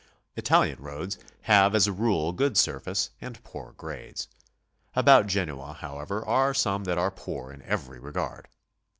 Italian roads have as a rule good surface and poor grades. About Genoa, however, are some that are poor in every regard.